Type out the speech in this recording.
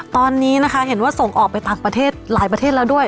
ตอนนี้นะคะเห็นว่าส่งออกไปต่างประเทศหลายประเทศแล้วด้วย